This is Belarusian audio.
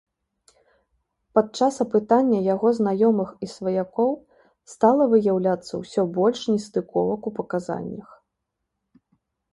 Падчас апытання яго знаёмых і сваякоў стала выяўляцца ўсё больш нестыковак у паказаннях.